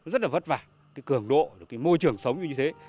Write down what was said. rất là vất vả cái cường độ cái môi trường sống như thế